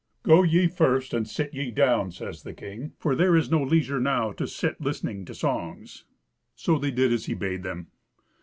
"Go ye first, and sit ye down," says the king, "for there is no leisure now to sit listening to songs." So they did as he bade them.